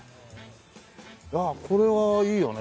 いやあこれはいいよね。